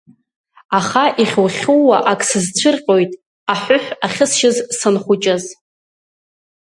Аха ихьу-хьууа ак сызцәырҟьоит аҳәыҳә ахьысшьыз санхәыҷыз!